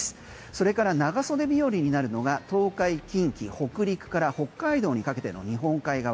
それから長袖日和になるのが東海、近畿、北陸から北海道にかけての日本海側。